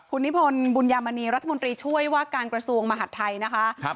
คุณนิพนธ์บุญยามณีรัฐมนตรีช่วยว่าการกระทรวงมหาดไทยนะคะ